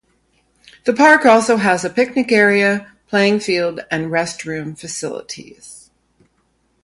The park also has a picnic area, playing field, and restroom facilities.